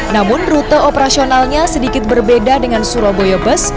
namun rute operasionalnya sedikit berbeda dengan surabaya bus